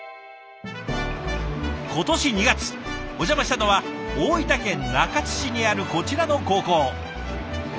今年２月お邪魔したのは大分県中津市にあるこちらの高校。